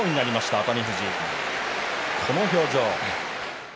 熱海富士、この表情でした。